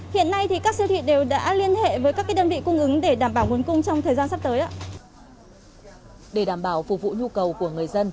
hiện nay các siêu thị đều đã liên hệ với các đơn vị cung ứng để đảm bảo nguồn cung trong thời gian sắp tới ạ